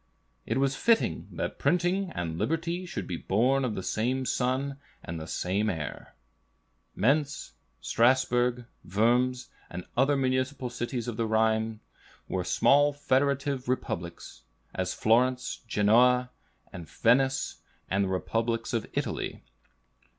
"It was fitting that printing and liberty should be born of the same sun and the same air." Mentz, Strasbourg, Worms, and other municipal cities of the Rhine, were small federative republics; as Florence, Genoa, Venice, and the republics of Italy.